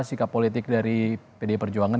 sikap politik dari pdi perjuangan